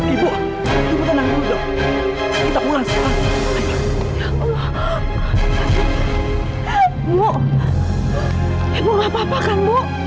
ibu gak apa apa kan bu